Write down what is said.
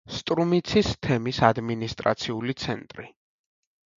სტრუმიცის თემის ადმინისტრაციული ცენტრი.